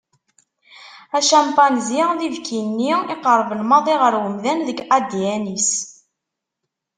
Acampanzi d ibki-nni iqerben maḍi ɣer umdan deg adn-is.